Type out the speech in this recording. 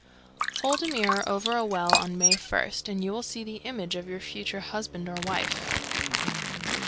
_ 324. Hold a mirror over a well on May first, and you will see the image of your future husband or wife.